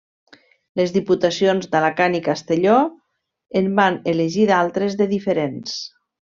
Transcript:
Les diputacions d'Alacant i Castelló en van elegir d'altres de diferents.